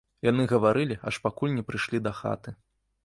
Яны гаварылі, аж пакуль не прыйшлі да хаты.